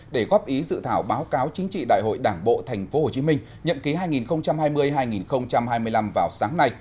để góp ý dự thảo báo cáo chính trị đại hội đảng bộ tp hcm nhậm ký hai nghìn hai mươi hai nghìn hai mươi năm vào sáng nay